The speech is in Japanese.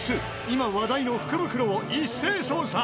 今話題の福袋を一斉捜査